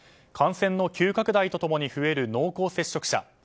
感染の急拡大と共に増える濃厚接触者。